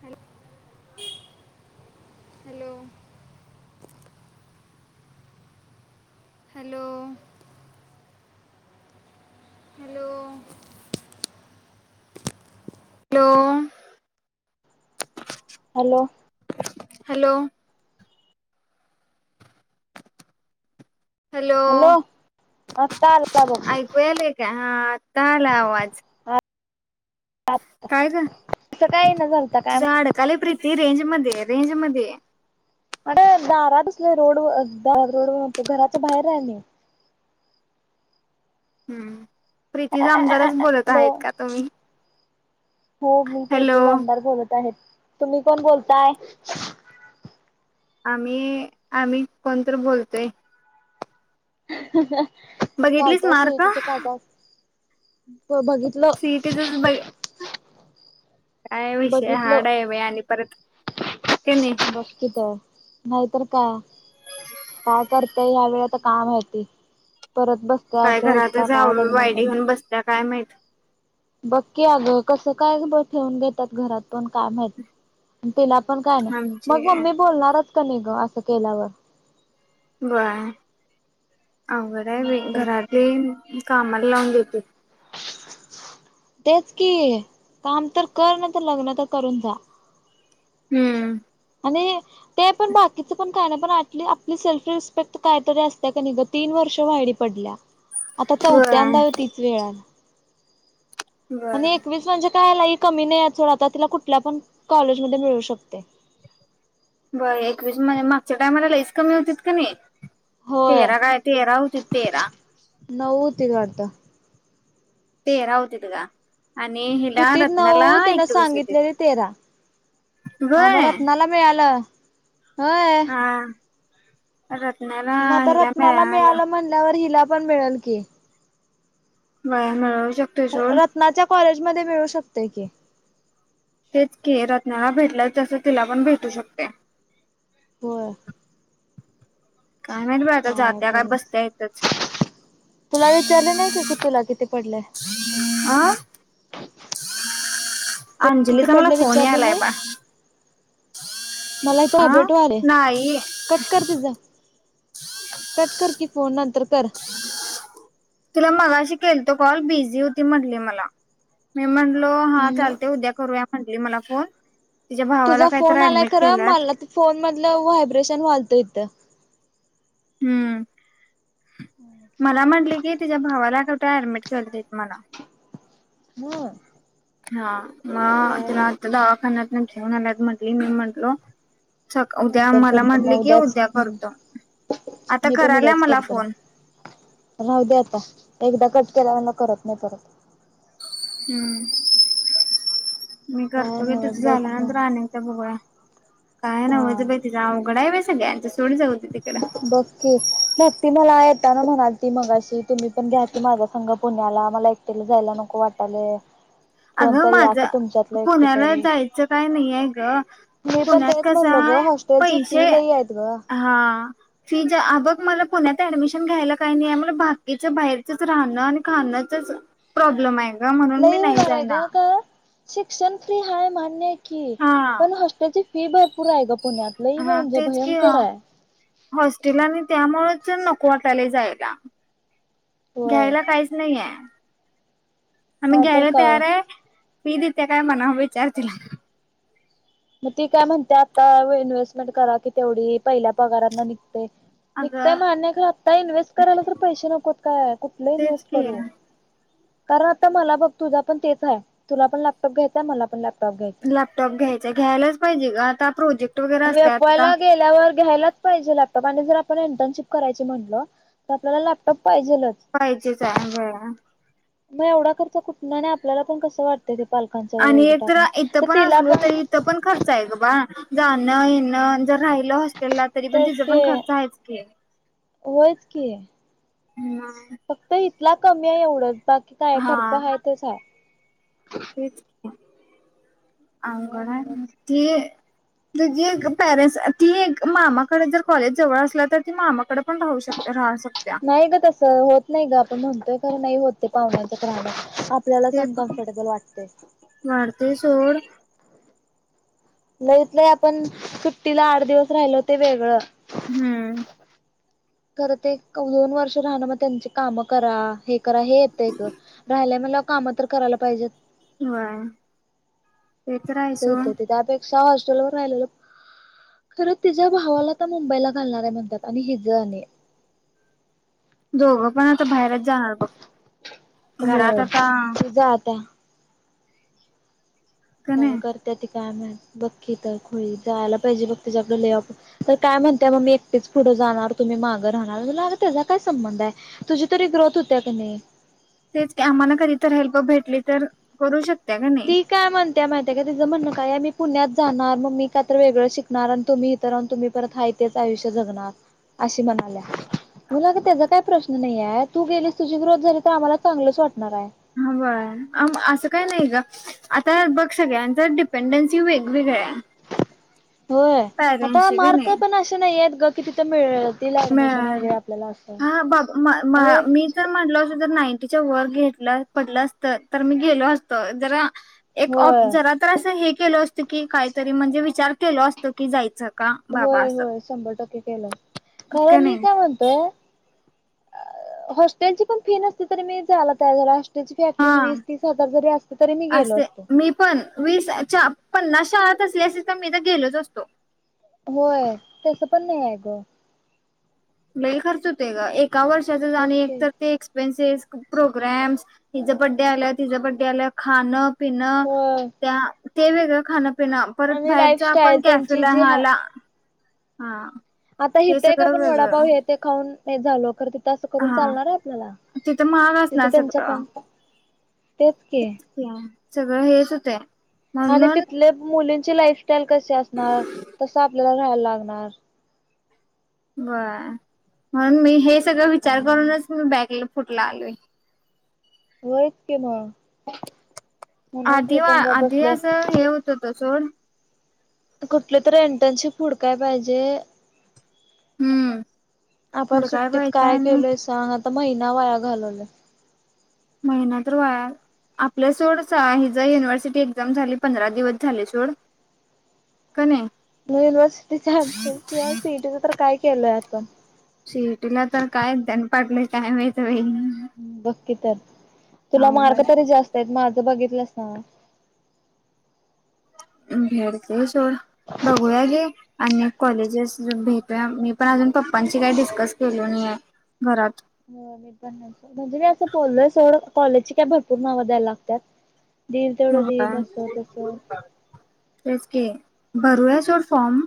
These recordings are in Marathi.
Hello [inaudible] hello hello. हॅलो लो हॅलो हॅलो हॅलो, आता आला बग. ऐकू यालय का हा तला आवाज. काय गं? असं काय ना झालता काय तुझ अडकाले प्रीती रेंज मध्ये रेंज मध्य ये. अरे दारापसल्या रोड, रोडर म्हनतो घराच्या बाहेर आहे मी. हम्म. प्रीती जामदारेचं बोलत हॅलो आहेत का तुम्ही? हो मी हॅलो प्रीतीे जामदार बोलत आहेत. तुम्ही कोण बोलताय? आम्ही आम्ही कोणतर बोलतोय. ह बघितलीस मार्क? हो बघितलो. सीईटीचच बघ काय विषय हाड आहे बाई, आणि परत, क नाही. का. काय करतय यावेेळे ता काय माहिती. परत बसते काय असंच का घरातच काय, आवळी लग्न कर वायडी घेऊन बसल्या काय माहीत. बघकी अगं कसं काय पण ठेवून घेतात घरात पण काय माहीत तिला पण काय नाही, आमचे मग मम्मी बोलणारच कणी ग असं केल्यावर. व्हय आघड आहे बाई तर घरात बी कामाला लावून देतील. तेच कि काम तर कर, नाही तर लग्न तर करून जा. हम्म. आणि ते पण बाकीच पण काय नाही, आपली आपली सेल्फ रिस्पेक्ट कायतरी असतते कनि गं तीन वर्ष व्हायडी पडल्या. आता व्हय. चौत्यांदा आहे तीच वेळानं. बर. आणि एकवीस म्हणजे काय लई कमी नाही सोड आता तिला कुठल्या पण कॉलेजमध्येध्ये मिळू शकते. बर एकवीस म्हणजे मागच्या टायमाला लईच कमी होती कणी? होय तेरा काय तेरा होतीत तेरा. तिघात. तेरा होतीत ग. हुतीत नव्ह ओ तिनं होतीत. सांगितलेली तेरा. ह मग व्हय. रत्नाला मिळालं. होय. हा. रत्नाला मग आता हिला रत्नाला मिळालं मिळाल म्हणल्यावर हिला पण मिळंल की. वय मिळ शकतय सोड. कॉलेज मध्ये मिळू शकतय की. तेच की रत्नाला भेटलं तसं तिला पण भेटू शकते. होय. काय माहीत बाई आता जात्या काय बसत्या हीतच. तुला विचारले नाही का की तुला किती? पडले आं तु किती पडले विचारले यालाय नाही? बा मला इथ अ ऑबट व्हालय नाही कट कर तिझं कट कर कि. फोन नंतर कर. तिला मगाशी केलतो कॉल बिझी होती म्हनली मला. मी म्हणलो हा हम्म चालते उद्या करूया. म्हटली मला फोन. तिच्या भावाला तुझा काहीतरी फोन आलाय ऍडमिट खरं केल्यात. मला फोन मधणं व्हायब्रेशन व्हालत ही तं हम्म. मला म्हटले की तिच्या भावाला त ऍडमिट करतेेत मला. हो. हा. म तिला आता दखान्यात नं घेऊन आल्यात म्हणली, मी म्हणलो नंतर करतो मग उद्याच हम् करतो. आता मी पण करायल्या उद्याच मला करतो फोन. राहु दे आता एकदा कट. केलाय म्हणल्यावर करत नाही परत. हम्म मी काय करतो घे तुझ नवच बायको झाल्यानंतर अनेकदा बघूया. काही हा नव्हच बाई तिज अवघड हाय बाई सगळ. सगळ्यांच सोड जाऊ दे तिकड. बक की नाही ती. ती मला येताना म्हणालती मगाशी तुम्ही पण घ्या त माझा संघ पुण्याला मला एकटीला जायला नको वाटालय. अगं कोणतरी माझ या की तुमच्यातलं एकटे पुण्याला तरी जायचं काय नाही. नाही ग. मी पण पुण्यात तेच कस म्हणलो हाय ग हॉस्टेलची फी पैसे लई आहेत ग हा फीज आग. मला पुण्यात ऍडमिशन घ्यायला काही नाही, आहे मला बाकीच बाहेरचंच राहणं आणि खाणंचाच प्रॉब्लेम आहे. म्हणून मी नाहीच. यग का [inaudible] शिक्षण फ्री हाय मान्य हाय की. की हा मण हॉस्टेलची फी. फी भरपूर हाय ग. पुण्यात लई हा म्हणजे तेच की भयंकर हाय. हॉस्टेल आणि त्यामुळे नको वाटायलय जायला. होय घ्यायला काहीच नाहीय. आम्ही नाहीतर घ्यायला काय तयार हाय. फी देेत्या काय म्हणाव विचार तीला. मग ती काय म्हणत्या आता इन्व्हेस्टमेंट करा कि तेवढी पहिल्या पगारांतन निघत्या. निघतय अगं मान्य आता इन्व्हेस्ट करायला तर पैसे नकोत काय, कुठले तेच इन्व्हेस्ट की करू. कारण आता मला बघ तुझा पण तेच आहे, तुला पण लॅपटॉप घ्यायचाय मला पण लॅपटॉप. घ्यायचाय. लॅपटॉप घ्यायचा. घ्यायलाच पाहिजे आता प्रोजेक्ट. वगैरे एफ असतात आता वायला गेल्यावर घ्यायला. पाहिजे लॅपटॉप आणि जर आपण इंटर्नशिप करायची म्हटलं तर आपल्याला लॅपटॉप. पाहिजेलच. पाहिजेच हाय होय. मग एवढा खर्च कुठूनं आणि आपल्याला पण कसं वाटतं. आणि एक तर इथं पण असलो तरी इथं पण खर्च आहे ग बाळ. जान. येन जर राहिलं हॉस्टेलला तरी पण तेच तिचा पण की खर्च आहेच की. होयच कि. हम्म फक्त हीत. हीतला कमी हाय एवढंच. बाकी काय हा खर्च हाय तोच हाय. तेच. काय अंगणात नवच रीती ये म्ह एक परेंट् ती एक मामाकडे जर कॉलेज जवळ असल तर ती मामाकडे पण राहू शक राहू शकत्या नाही ग तस होत नाही ग. ण म्हणतोय खरं नाही होते पाहुण्याच्या रहाडा. ते वाढते सोड. लईत ल आपण सुट्टीला आठ दिवस राहिलो ते वेगळं. हम्म. खरं ते दोन वर्ष राहण मग त्यांचे काम करा हे.. करा हे येत ग राहि.. काम तर करायला पाहिजेत.. हा सूतती ते आपे एक सहज [unintelligible] चलो राहिल्यावर खर तिच्या भावाला मुंबईला घालणार आहे म्हणतात आणि हिजा. दोघं पण आता बाहेरच जाणार बघ. हो घरात आता तुझा आता. का काय नाही करते त. काय म्हण बकी तर खळी जायला पाहिजे. बघ तच्याकडं काय म्हणते. मग मी एकटीच पुढं जाणार तुम्ही मागं राहणार त्याचा काय संबंध. आहे तुझी तरी ग्रोथ होत्या.. का नाही तेच आम्हाला कधी तर हेल्प भेटली तर करू शकत. ती काय म्हणते. त्या महिितय का तचं म्हणणं. काय मी पुण्यात जाणार. मग मी का तर वेगळं शिकणार आणि तुम्ही इथर राहून. तुम्ही परत हा तेच आयुष्य जगणार अशी म्हणाल्या.. मुलाग त्याचा काय प्रश्न नाहीय आहे तू गेलीस तुझी ग्रोथ झाली तर आम्हाला चांगलंच वाटत हवाई असं काय नाही ग. आता बघ सगळ्यांच डिपेंडन्सी वेगवेगळ आहे. होय आता पॅरेंट्सची का मार्क नाही पण अशे नाही आहेतेत ग. किती तर मिळेल [unintelligible] म्हणजे वर घेतला पडलं. असत तर मी गेलो असतो. जरा. एक ऑफ होय जरा‌ तर असं हे केलं असतं. की काहीतरी म्हणजे विचार केलो. असतो की जायचं. का बाबा होय असं होय शंभर टक्के केलं का [unintelligible] मी नाही काय म्हणतोय. अ हॉस्टेल ची पण फी नसती तरी मी झाला [unintelligible] तयार हॉस्टेलची फी हा ऍटलिस्ट वीस तीस हजार जरी असते तरी मी गेलो असे असतो मी पण वीस च्या पन्नास शाळात असल्या असेल तर मी तर गेलोच असतो. होय तस पण नाही ये ग. लई खर्च होतेय गं एक का वर्षाचाच आणि एक बघकी तर ते एक्सपेनस प्रोग्रॅम्स हिचां बड्डे आलं तिचां बड्डे आलं खाणं ते. पिन होय त्या. ते वेगळं खान. पिन परत आणि बाहेरचा आपण लाईफस्टाईल त्यांची कॅफेला जी हा हाला हा. आता ते हित एक सगळं आपण वडापाव. वेगळं हो येते खाऊन नाहीच खाल्लो तिथं अस करून हा चालणार आहे आपल्याला तिथं तिथं त्यांचा बॅच. सगळ हेच. [inaudible] आणि म्हणून तिथल्या मुली. लाईफस्टाईल कशी असणार तस आपल्याला राहयला लागणार. बर म्हणून मी हेच सगळं विचार करूनच मी बॅक कुठं ला आलोय. वक म [unintelligible] आधी आधी असं हे होत होत सोड. कुठले तररी इंटर्नशिप हुडकाय पाहिजे. हम्म. आपण हुडकाय सुट्टीत पाहिजे काय आणि केलोय सांग. आता महिना वाया घालवले. महिना तर वाय आपल्या सोड हि ज युनिव्हर्सिटी एक्झाम झाली पंधरा दिवस झाले सोड का नाही. म युनिव्हसिटीच्या्हीच तर काय केलंय आपण सीईटी ला तर काय नध पाडलेतं काय माहित बाई हम् ब [unintelligible] कतर [unintelligible] तुला अवघड माकर्य तरी जास्त आहेत माझ. बघितलंस ना. घर क [unintelligible] ड बघूया जे अनेक कॉलेजेस भेटू मी पण अजून पप्पांची काही डिस्कस केलो नाही आहे घरात प म्हणजे मी असं बोललोय सोडं कॉलेजची काय भरपूर नावं द्यायला लागत. दिल तेवढं दिल होय अस तस. ओके भरूया सोड फॉर्म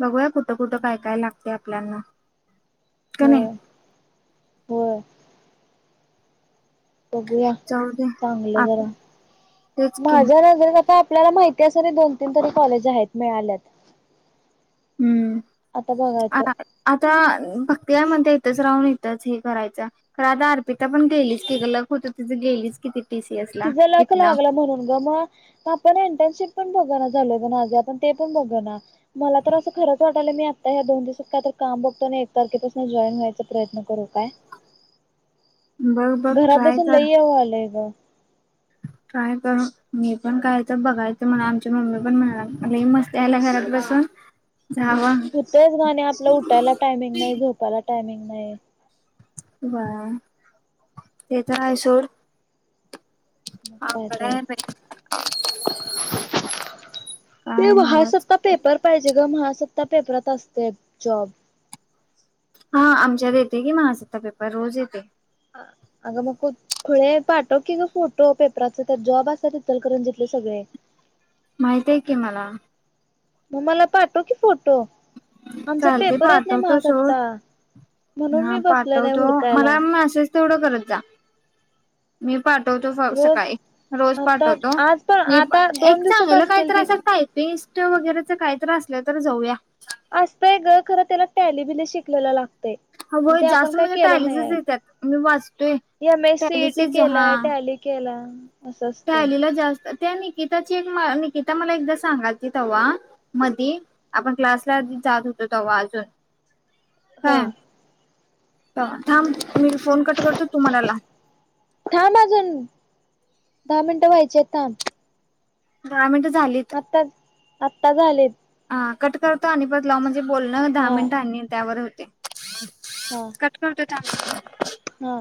बघूया कुठं कुठं काय काय लागते आपल्यांना कणी. हो बघूया जाऊ दे चांगलं आप जरा तेच की माझ्या नजरेत आता आपल्याला माहिती असणारे दोन तीन तरी कॉलेज आहेत मिळाल्यात हम्म आता बघायचं आता आता भक्तीया मध्ये इथंच राहून इथंच हे करायच खर आता अर्पिता पण गेलीच की ग लक होत तिच गेलीच कि टीसीएस ला तिचा लक लागला इथनं म्हणून ग मग आपण इंटर्नशिप पण बघन झालं ग माझ आपण ते पण बघ ना मला तर असं खरंच वाटलं मी आता ह्या दोन दिवसात काय तर काम बघतो ना एक तारखेपासून जॉईन व्हायचा प्रयत्न करू काय बघ बघ घरात ट्राय बसून लय कर हे व्हालंय ग. ट्राय कर मी पण काय तर बघायचं म्हणालोय आमची मम्मी पण म्हणायलाय लई मस्ती पण यायला घरात बसून जावा हो तेच ग आणि आपला उठायला टायमिंग नाही झोपायला टायमिंग नाही नाही. बा ते तर आहे सोड. काय अवघड तर आहे बाई ते काय नवच महासत्ता पेपर पाहिजे ग महासत्ता ता पेपरात असतय ते जॉब हा आमच्यात येते की महासत्ता पेपर रोज येते. अगं मग खुळे पाठव कि ग फोटो पेपराचा त्यात जॉब असतात इतलकरंजीतले सगळे. माहिती हाय की मला. मग मला पाठव की फो चालते पाठवतो सोड महासत्ता म्हणून हा मी बसले नाही पाठवतो हुडकायला मला मेसेज तेवढं करत जा. मी पाठवतो बग रोज सकाळी रोज आता पाठवतो आज पण मी आता दोन एक दिवसाच चांगलं असतील काहीतरी की असं टायपिंग वगैरेच काहीतर असलं तर जाऊया. असतय ग खरं त्याला टॅली बीली शिकलेला लाग हो जास्त म्हणजे टॅलीचेच येतात मी वाचतोय एम एस सीईटी टॅलीच हा. केलाय टॅली केला असं असते टॅलीला जास्त- त्या निकिताची एक निकिता मला एकदा सांगालती तेव्हा, मधी आपण क्लासला जात होतो तेव्हा अजून- हा. थांब. मी फोन कट करतो तु मला लाव. थांब अजून दहा मिनिटं व्हायचे आहेत थांब. दहा मिनिट- आत्ता -आत्ता झालेत. हा कट करतो. आणि परत लाव बोलणं दहा हा मिनिट आणि त्यावर. हा [inaudible] कट करते. चांगल- हा.